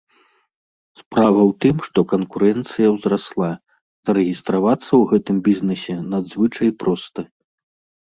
Справа ў тым, што канкурэнцыя ўзрасла, зарэгістравацца ў гэтым бізнэсе надзвычай проста.